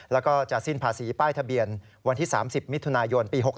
แล้วก็จะสิ้นภาษีป้ายทะเบียนวันที่๓๐มิถุนายนปี๖๖